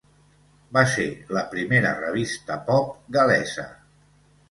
Va ser la primera revista pop gal·lesa.